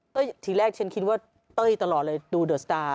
ทีแรกฉันคิดว่าเต้ยตลอดเลยดูเดอร์สตาร์